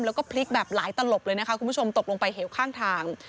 แล้วก็พลิกแบบหลายตลบเลยนะคะคุณผู้ชมตกลงไปเหวข้างทาง